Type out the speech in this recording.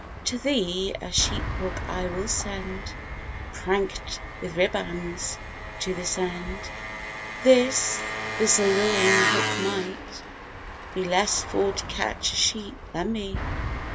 To thee a sheep hook I will send, Be prank'd with ribbands, to this end, This, this alluring hook might be Less for to catch a sheep, than me.